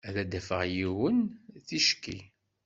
Ad d-afeɣ yiwen ticki.